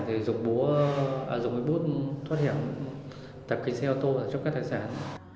thì dùng bút thoát hiểm tập kính xe ô tô trộm cắp tài sản